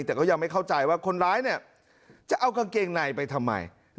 แต่ก็ยังไม่เข้าใจว่าคนร้ายเนี่ยจะเอากางเกงในไปทำไม